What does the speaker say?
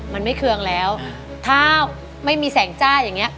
มันไม่เคืองแล้วถ้าไม่มีแสงจ้าอย่างเงี้